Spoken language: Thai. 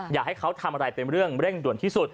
อยากให้เขาทำอะไรเป็นเรื่องเร่งด่วนที่สุด